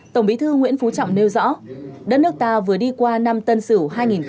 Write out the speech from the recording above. tổng bí thư nguyễn phú trọng nêu rõ đất nước ta vừa đi qua năm tân sửu hai nghìn một mươi một